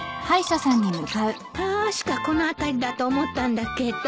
確かこの辺りだと思ったんだけど。